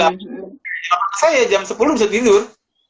masa ya jam sepuluh bisa tidur